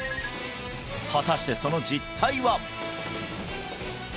果たしてその実態は？